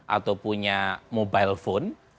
atau punya mobile phone